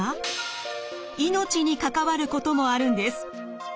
命に関わることもあるんです。